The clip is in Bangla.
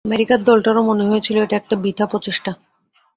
আমেরিকান দলটারও মনে হয়েছিল এটা একটা বৃথা প্রচেষ্টা।